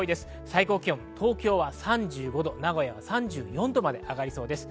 最高気温、東京は３５度、名古屋は３４度まで上がりそうです。